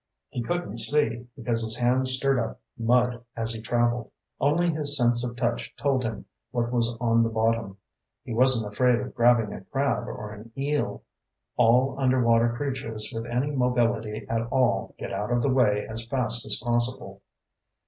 He couldn't see, because his hands stirred up mud as he traveled. Only his sense of touch told him what was on the bottom. He wasn't afraid of grabbing a crab or an eel. All underwater creatures with any mobility at all get out of the way as fast as possible.